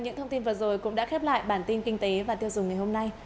những thông tin vừa rồi cũng đã khép lại bản tin kinh tế và tiêu dùng ngày hôm nay